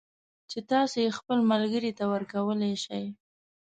چې تاسو یې خپل ملگري ته ورکولای شئ